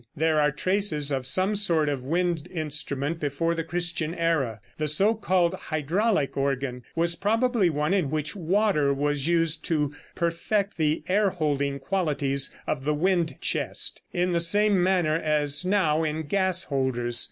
There are traces of some sort of wind instrument before the Christian era. The so called hydraulic organ was probably one in which water was used to perfect the air holding qualities of the wind chest, in the same manner as now in gas holders.